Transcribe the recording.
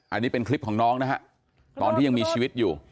อันนี้เป็นคลิปของน้องนะครับ